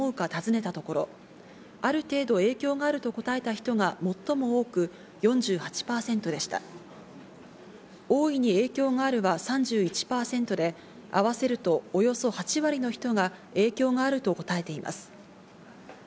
大いに影響があるは３１％で、合わせると、およそ８割の人が影響があると答えています。